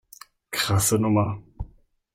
Krasse Nummer.